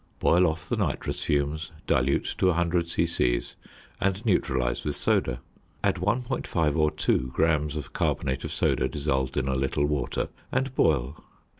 Boil off the nitrous fumes, dilute to 100 c.c. and neutralise with soda; add 1.5 or 2 grams of carbonate of soda dissolved in a little water, and boil.